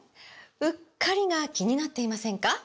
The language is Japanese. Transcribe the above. “うっかり”が気になっていませんか？